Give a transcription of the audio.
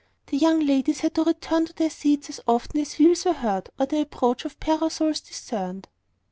The young ladies had to return to their seats as often as wheels were heard, or the approach of parasols was discerned.